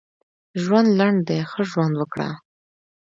ژوند لنډ دی ښه ژوند وکړه.